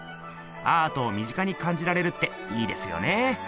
アートを身近にかんじられるっていいですよね。